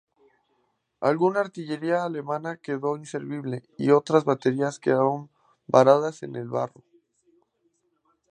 Alguna artillería alemana quedó inservible y otras baterías quedaron varadas en el barro.